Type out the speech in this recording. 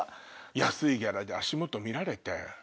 安いギャラで足元見られて。